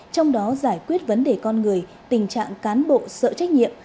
trong đó giải quyết vấn đề con người tình trạng cán bộ sợ trách nhiệm